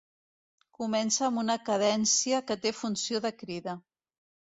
Comença amb una cadència que té funció de crida.